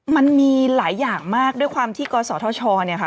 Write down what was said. มันมีหลายอย่างมากด้วยความที่กศธชเนี่ยค่ะ